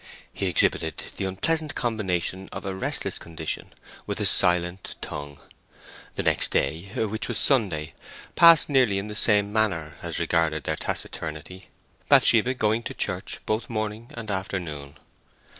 He exhibited the unpleasant combination of a restless condition with a silent tongue. The next day, which was Sunday, passed nearly in the same manner as regarded their taciturnity, Bathsheba going to church both morning and afternoon.